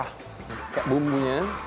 lihat kayak bumbunya